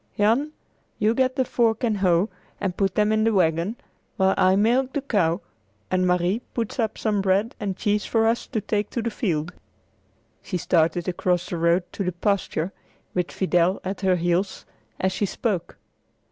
"Jan, you get the fork and hoe and put them in the wagon, while I milk the cow and Marie puts up some bread and cheese for us to take to the field." She started across the road to the pasture, with Fidel at her heels, as she spoke.